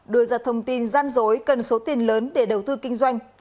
đưa ra thông tin gian dối cần số tiền lớn để đầu tư kinh doanh